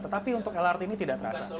tetapi untuk lrt ini tidak terasa